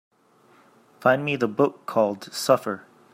Find me the book called Suffer